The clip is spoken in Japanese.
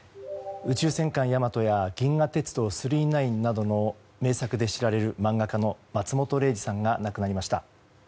「宇宙戦艦ヤマト」や「銀河鉄道９９９」などの名作で知られる漫画家の松本零士さんが亡くなりました。